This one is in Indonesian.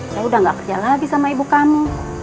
saya udah gak kerja lagi sama ibu kamu